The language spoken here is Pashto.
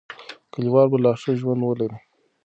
کلیوال به لا ښه ژوند ولري.